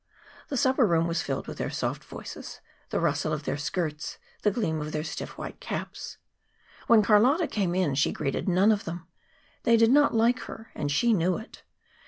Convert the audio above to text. The supper room was filled with their soft voices, the rustle of their skirts, the gleam of their stiff white caps. When Carlotta came in, she greeted none of them. They did not like her, and she knew it.